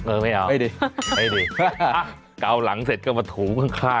ไม่เอาไม่ดีไม่ดีเกาหลังเสร็จก็มาถูข้างข้าง